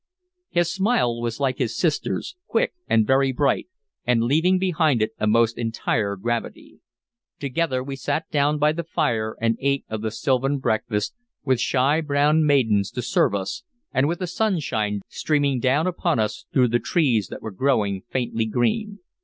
His smile was like his sister's, quick and very bright, and leaving behind it a most entire gravity. Together we sat down by the fire and ate of the sylvan breakfast, with shy brown maidens to serve us and with the sunshine streaming down upon us through the trees that were growing faintly green.